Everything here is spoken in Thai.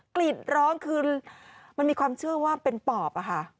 กลิ่นร้องคือมันมีความเชื่อว่าเป็นปอบอะค่ะ